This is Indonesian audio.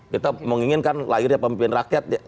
kita menginginkan lahirnya pemimpin rakyat